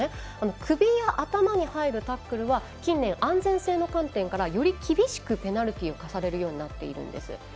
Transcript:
首や頭に入るタックルは近年、安全性の観点からより厳しくペナルティーを課されるようになっているんです。